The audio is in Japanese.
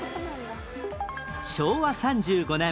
昭和３５年